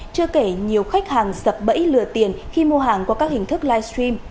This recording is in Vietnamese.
chưa kể nhiều khách hàng sập bẫy lừa tiền khi mua hàng qua các hình thức live stream